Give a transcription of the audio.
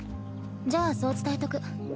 じゃあそう伝えとく。